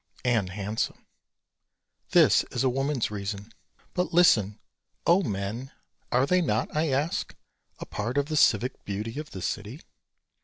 And handsome. This is a woman's reason, but listen: O men, are they not, I ask, a part of the civic beauty of the city?